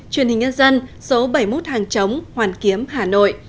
truyền hình nhân dân số bảy mươi một hàng chống hoàn kiếm hà nội